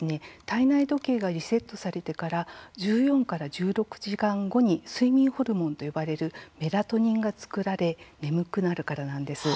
体内時計がリセットされてから１４から１６時間後に睡眠ホルモンと呼ばれるメラトニンが作られ眠くなるからなんです。